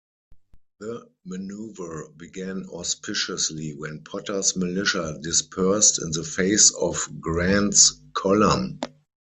The manoeuvre began auspiciously when Potter's militia dispersed in the face of Grant's column.